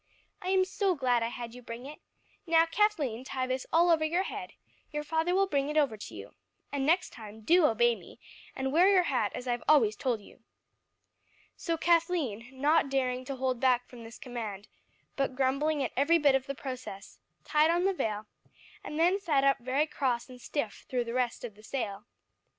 "I am so glad I had you bring it. Now, Kathleen, tie this all over your head; your father will bring it over to you. And next time, do obey me, and wear your hat as I've always told you." So Kathleen, not daring to hold back from this command, but grumbling at every bit of the process, tied on the veil, and then sat up very cross and stiff through the rest of the sail.